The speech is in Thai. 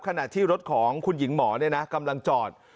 ขณะที่รถของคุณหญิงหมอกำลังจอด